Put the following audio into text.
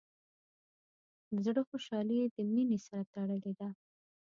د زړۀ خوشحالي د مینې سره تړلې ده.